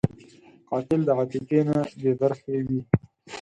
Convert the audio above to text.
قاتل د عاطفې نه بېبرخې وي